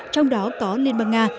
trong đó có liên bang nga